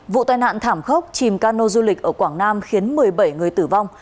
vụ tai nạn thảm khốc chìm cano du lịch ở quảng nam khiến một mươi bảy người tử vong